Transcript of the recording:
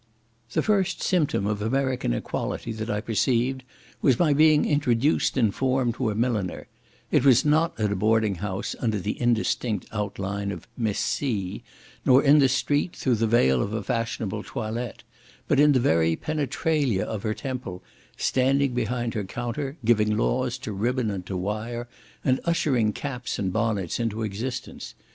The first symptom of American equality that I perceived, was my being introduced in form to a milliner; it was not at a boarding house, under the indistinct outline of "Miss C—," nor in the street through the veil of a fashionable toilette, but in the very penetralia of her temple, standing behind her counter, giving laws to ribbon and to wire, and ushering caps and bonnets into existence.